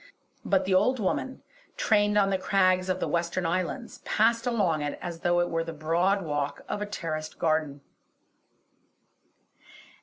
But the old woman, trained on the crags of the western islands, passed along it as though it were the broad walk of a terraced garden.